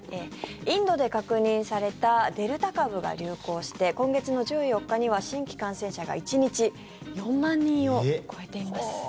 インドで確認されたデルタ株が流行して今月の１４日には新規感染者が１日４万人を超えています。